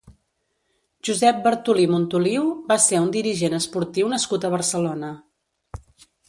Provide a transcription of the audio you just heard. Josep Bartolí Montoliu va ser un dirigent esportiu nascut a Barcelona.